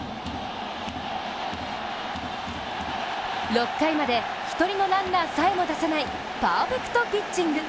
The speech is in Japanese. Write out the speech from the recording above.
６回まで１人のランナーさえも出さないパーフェクトピッチング。